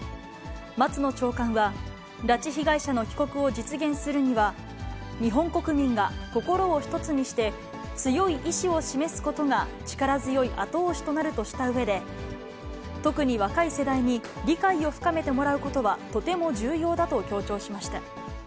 松野長官は、拉致被害者の帰国を実現するには、日本国民が心を一つにして強い意思を示すことが力強い後押しとなるとしたうえで、特に若い世代に理解を深めてもらうことは、とても重要だと強調しました。